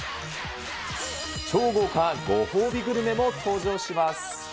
超豪華ご褒美グルメも登場します。